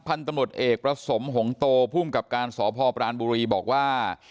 ตำรวจเอกประสมหงโตภูมิกับการสพปรานบุรีบอกว่า